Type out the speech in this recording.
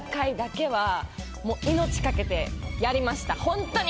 ホントに！